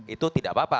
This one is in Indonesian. itu tidak apa apa